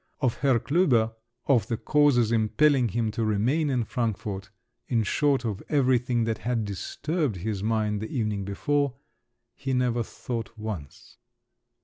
Of Herr Klüber, of the causes impelling him to remain in Frankfort—in short, of everything that had disturbed his mind the evening before—he never thought once.